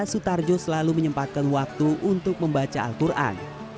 sutarjo selalu menyempatkan waktu untuk membaca al quran